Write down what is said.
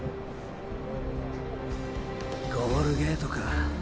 ゴールゲートか。